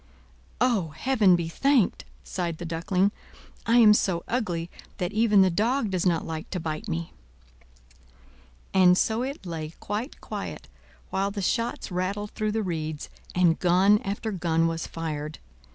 "O, Heaven be thanked!" sighed the Duckling. "I am so ugly, that even the dog does not like to bite me!" And so it lay quite quiet, while the shots rattled through the reeds and gun after gun was fired.